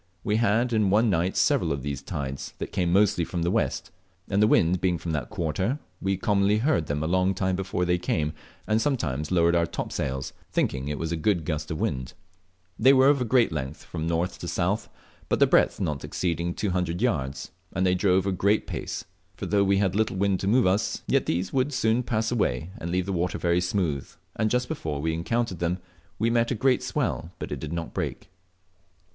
We had in one night several of these tides, that came mostly from the west, and the wind being from that quarter we commonly heard them a long time before they came, and sometimes lowered our topsails, thinking it was a gust of wind. They were of great length, from north to south, but their breadth not exceeding 200 yards, and they drove a great pace. For though we had little wind to move us, yet these world soon pass away, and leave the water very smooth, and just before we encountered them we met a great swell, but it did not break."